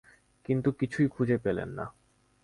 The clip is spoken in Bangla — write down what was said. কিন্তু কিছুই খুঁজে পেলেন না।